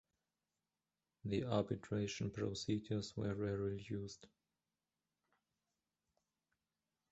The arbitration procedures were rarely used.